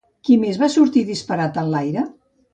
Qui més va sortir disparat enlaire?